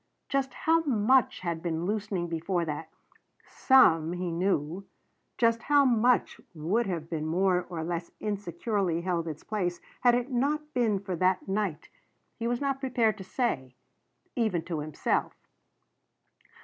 Just how much had been loosening before that some, he knew just how much would have more or less insecurely held its place had it not been for that night, he was not prepared to say even to himself.